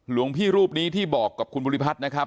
หลวงพี่รูปนี้ที่บอกกับคุณภูริพัฒน์นะครับ